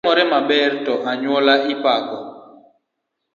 Kotimore maber to anyuola ema ipako.